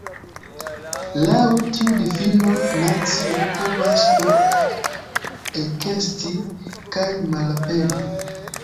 Laŭ tiu difino nacioj povas do ekesti kaj malaperi.